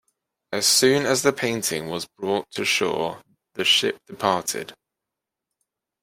As soon as the painting was brought to shore the ship departed.